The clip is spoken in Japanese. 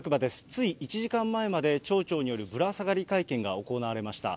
つい１時間前まで、町長によるぶら下がり会見が行われました。